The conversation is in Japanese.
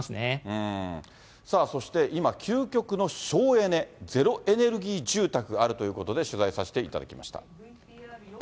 そして今、究極の省エネゼロエネルギー住宅があるということで、取材させていただきました。